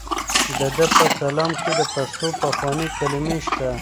د ده په کلام کې د پښتو پخوانۍ کلمې شته.